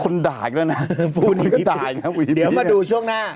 คนด่ายอย่างนั้นฮะพูนีบอีพูนีคือต่ายค่ะพูนีบอีพีเดี๋ยวมัดดูช่วงหน้า